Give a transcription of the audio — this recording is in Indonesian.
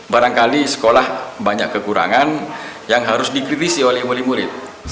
barangkali sekolah banyak kekurangan yang harus dikrisi oleh muli muli